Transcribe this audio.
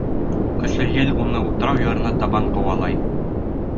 Көслө ел уны утрау ярына табан ҡыуалай.